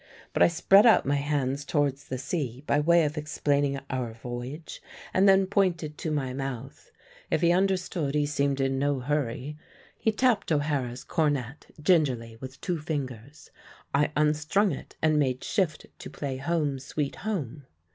But I spread out my hands towards the sea, by way of explaining our voyage, and then pointed to my mouth. If he understood he seemed in no hurry. He tapped O'Hara's cornet gingerly with two fingers. I unstrung it and made shift to play 'Home, Sweet Home.'